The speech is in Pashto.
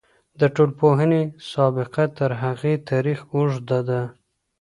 د ټولنپوهنې سابقه تر هغې تاريخ اوږده ده.